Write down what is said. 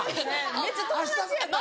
めっちゃ友達やから。